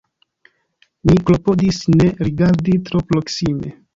Mi klopodis ne rigardi tro proksime.